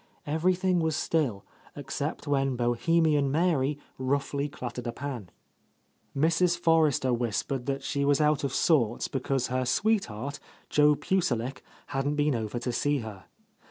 Everything was still, except when Bohemian Mary roughly clattered a pan. Mrs. Forrester whispered that she was out of sorts because her sweetheart, Joe Pucelik, hadn't been over to see her.